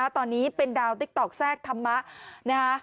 ตอนนี้เป็นดาวติ๊กต๊อกแทรกธรรมะนะคะ